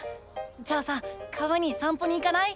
じゃあさ川にさん歩に行かない？